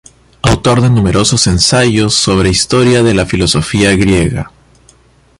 Autor de numerosos ensayos sobre historia de la filosofía griega.